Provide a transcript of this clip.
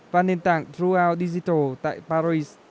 và nền tảng throughout digital tại paris